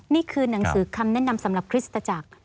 นี่คือหนังสือคำแนะนำสำหรับคริสตจักร